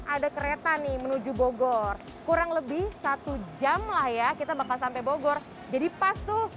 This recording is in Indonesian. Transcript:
enam ratus empat puluh delapan ada kereta nih menuju bogor kurang lebih satu jam lah ya kita bakal sampai bogor jadi pasti